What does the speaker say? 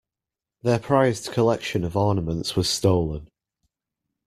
Their prized collection of ornaments was stolen.